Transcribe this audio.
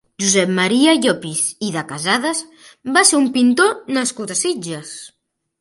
Josep Maria Llopis i de Casades va ser un pintor nascut a Sitges.